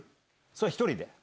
それは１人で？